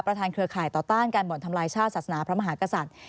เครือข่ายต่อต้านการบ่อนทำลายชาติศาสนาพระมหากษัตริย์